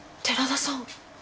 寺田さん。